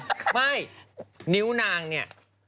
ไม่นิ้วนางเนี่ย